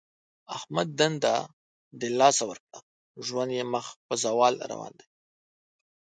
احمد دنده له لاسه ورکړه. ژوند یې مخ په زوال روان دی.